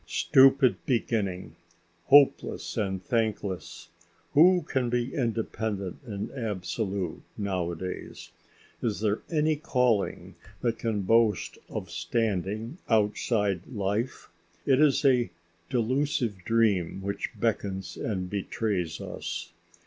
Stupid beginning! Hopeless and thankless! Who can be independent and absolute nowadays? Is there any calling that can boast of standing outside life? It is a delusive dream which beckons and betrays us.